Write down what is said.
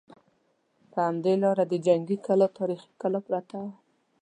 په همدې لاره د جنګي کلا تاریخي کلا پرته وه.